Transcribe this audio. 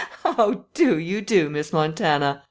"How do you do, Miss Montana?